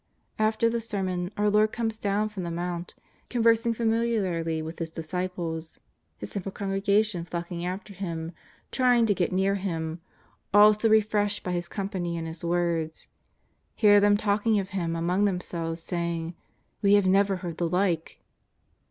After the Sermon our Lord comes down from the Mount, conversing familiarly with His disciples. His simple congregation flocking after Him, trying to get near Him, all so refreshed by His company and His words. Hear them talking of Him among themselves, saying: ^' We never heard the like."